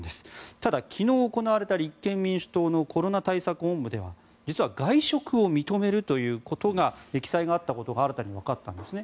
ただ、昨日行われた立憲民主党のコロナ対策本部では実は、外食を認めるという記載があったことが新たにわかったんですね。